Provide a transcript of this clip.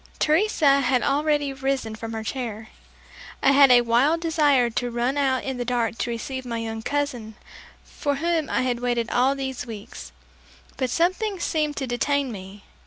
Teresa had already arisen from her chair. I had a wild desire to run out in the dark to receive my young cousin for whom I had waited all these weeks, but something seemed to detain me.